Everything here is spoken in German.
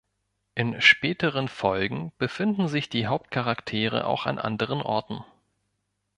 In späteren Folgen befinden sich die Hauptcharaktere auch an anderen Orten.